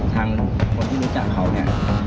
ทางคนที่รู้จักเขาเนี่ย